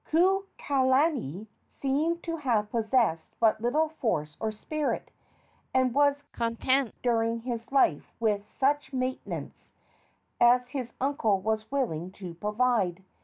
Kukailani seems to have possessed but little force or spirit, and was content during his life with such maintenance as his uncle was willing to provide.